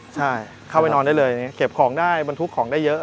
ใช่เข้าไปนอนได้เลยเก็บของได้บรรทุกของได้เยอะ